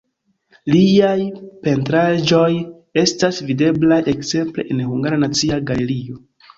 Liaj pentraĵoj estas videblaj ekzemple en Hungara Nacia Galerio.